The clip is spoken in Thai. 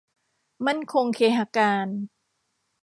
มั่นคงเคหะการ